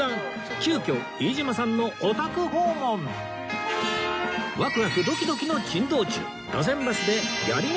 急きょ飯島さんのお宅訪問ワクワクドキドキの珍道中